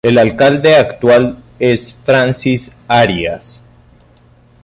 El alcalde actual es Francis Arias.